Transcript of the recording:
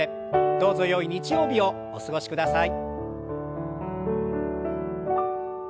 どうぞよい日曜日をお過ごしください。